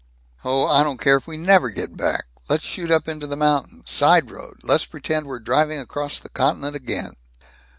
"Oh, I don't care if we never get back. Let's shoot up into the mountains. Side road. Let's pretend we're driving across the continent again."